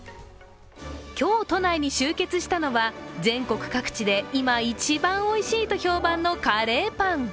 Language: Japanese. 今日、都内に集結したのは全国各地で今、一番おいしいと評判のカレーパン。